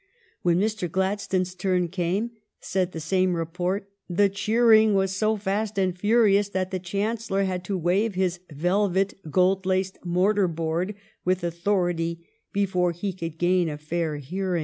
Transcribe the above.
When Mr. Gladstones turn came," said the same report, "the cheering was so fast and furious that the Chancellor had to wave his velvet gold laced mortar board with authority before he could gain a fair hearing."